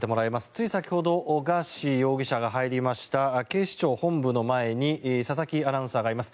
つい先ほどガーシー容疑者が入りました警視庁本部の前に佐々木アナウンサーがいます。